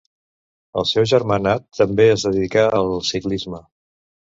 El seu germà Nat també es dedicà al ciclisme.